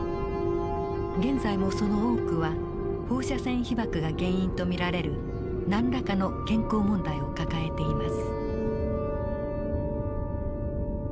現在もその多くは放射線被ばくが原因と見られる何らかの健康問題を抱えています。